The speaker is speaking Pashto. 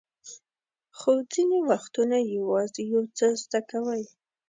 خو ځینې وختونه یوازې یو څه زده کوئ.